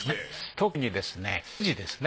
特にですねフジですね。